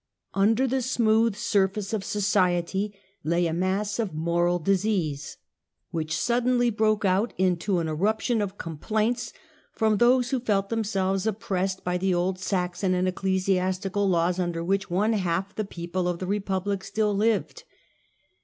Under the smooth surface of society lay a mass of moral disease, which suddenly broke out into an eruption of complaints, from those who felt themselves oppressed by the old Saxon and ecclesiastical laws under which one half the people of the republic still lived.